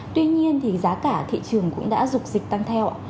tuy nhiên thì giá cả thị trường cũng đã rục dịch tăng theo